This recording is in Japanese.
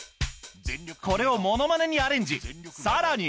これをものまねにアレンジさらに